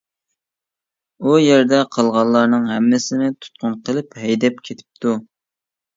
ئۇ يەردە قالغانلارنىڭ ھەممىسىنى تۇتقۇن قىلىپ ھەيدەپ كېتىپتۇ.